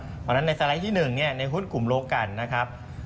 เพราะฉะนั้นในสไลด์ที่๑ในหุ้นกลุ่มโลกันนะครับ